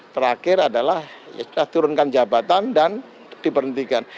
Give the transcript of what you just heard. terakhir adalah turunkan jabatan dan diberhentikan